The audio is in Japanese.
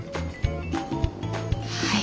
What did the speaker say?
はい。